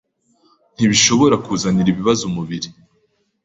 ntibishobora kuzanira ibibazo umubiri.